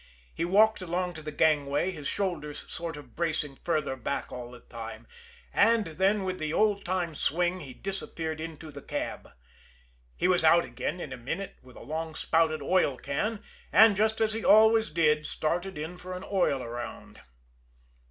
He walked along to the gangway, his shoulders sort of bracing further back all the time, and then with the old time swing he disappeared into the cab. He was out again in a minute with a long spouted oil can, and, just as he always did, started in for an oil around.